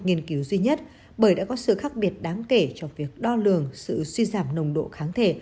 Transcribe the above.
nghiên cứu duy nhất bởi đã có sự khác biệt đáng kể trong việc đo lường sự suy giảm nồng độ kháng thể